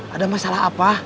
ada masalah apa